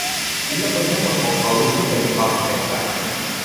ศิลปินทั้งหมดของเขาลุกขึ้นอย่างมีความสุขในโอกาสนี้